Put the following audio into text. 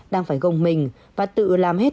đang phải gồng mình và tự làm hết